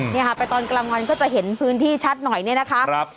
นี่ค่ะไปตอนกลางวันก็จะเห็นพื้นที่ชัดหน่อยเนี่ยนะคะ